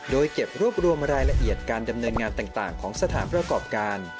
โดยเก็บรวบรวมรายละเอียดการดำเนินงานต่างของสถานประกอบการ